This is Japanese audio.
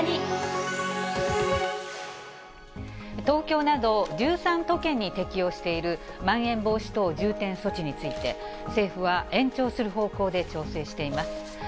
東京など１３都県に適用している、まん延防止等重点措置について、政府は延長する方向で調整しています。